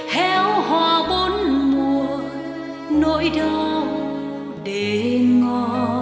héo hòa bốn mùa nỗi đau để ngò